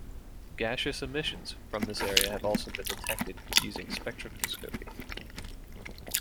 Gaseous emissions from this area have also been detected using spectroscopy.